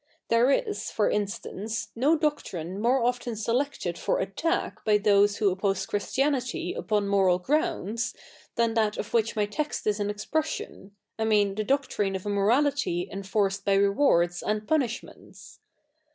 There is, for i7istance. en. i] THE NEW REPUBLIC 75 ;/<? doctrine more often selected for attack by tJwse who oppose Christianity upon moral grounds, than that of which my text is an expression, I mean the doctrine of a morality enforced by rewards a?id punish7?ients.